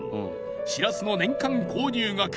しらすの年間購入額